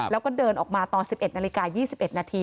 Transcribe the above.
แล้วก็เดินออกมาตอน๑๑นาฬิกา๒๑นาที